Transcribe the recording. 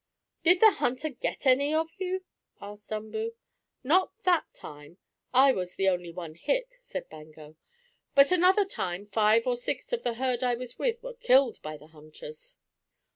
"Did the hunter get any of you?" asked Umboo. "Not that time. I was the only one hit," said Bango. "But another time five or six of the herd I was with were killed by hunters."